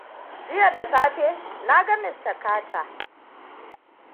Jiya da safe na ga Mr. Carter.